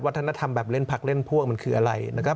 ธรรมแบบเล่นพักเล่นพวกมันคืออะไรนะครับ